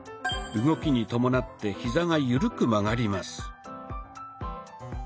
動きに伴ってヒザが緩く曲がります。